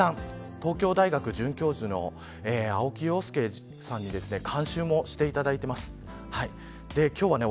東京大学准教授の青木陽介さんに監修をしていただいています。